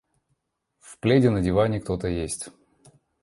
В пледе на диване кто-то есть.